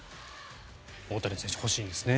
大谷選手欲しいんですね。